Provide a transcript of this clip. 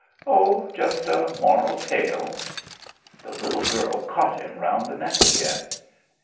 "Oh, just a moral tale." The little girl caught him around the neck again.